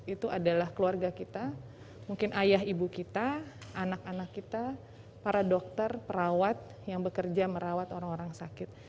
itu adalah keluarga kita mungkin ayah ibu kita anak anak kita para dokter perawat yang bekerja merawat orang orang sakit